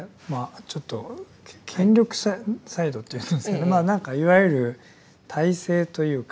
ちょっと権力者サイドというんですかいわゆる体制というか